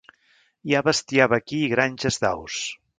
Hi ha bestiar vaquí i granges d'aus.